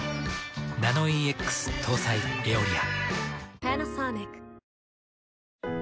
ナノイーＸ搭載「エオリア」。